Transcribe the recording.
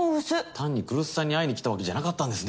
単に来栖さんに会いにきたわけじゃなかったんですね。